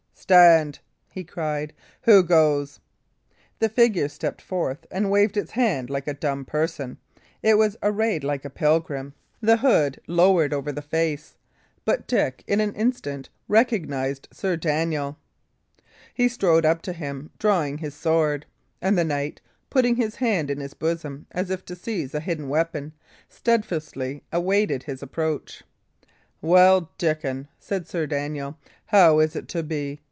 "Stand!" he cried. "Who goes?" The figure stepped forth and waved its hand like a dumb person. It was arrayed like a pilgrim, the hood lowered over the face, but Dick, in an instant, recognised Sir Daniel. He strode up to him, drawing his sword; and the knight, putting his hand in his bosom, as if to seize a hidden weapon, steadfastly awaited his approach. "Well, Dickon," said Sir Daniel, "how is it to be?